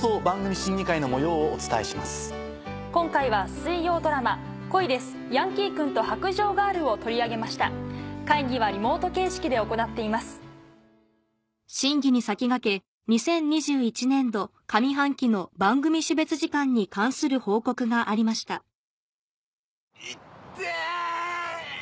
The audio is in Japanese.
審議に先駆け２０２１年度上半期の番組種別時間に関する報告がありました痛ぇ！